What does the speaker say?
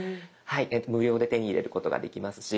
無料で手に入れることができますし。